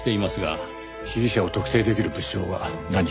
被疑者を特定できる物証は何一つ。